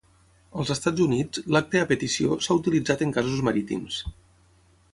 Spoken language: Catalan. Als Estats Units, l'"acte a petició" s'ha utilitzat en casos marítims.